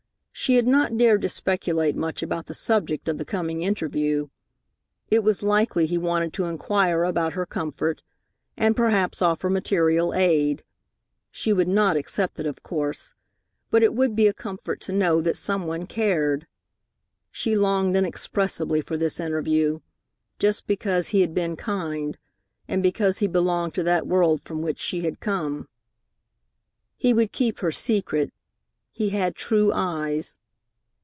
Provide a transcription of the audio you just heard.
She had not dared to speculate much about the subject of the coming interview. It was likely he wanted to inquire about her comfort, and perhaps offer material aid. She would not accept it, of course, but it would be a comfort to know that some one cared. She longed inexpressibly for this interview, just because he had been kind, and because he belonged to that world from which she had come. He would keep her secret. He had true eyes.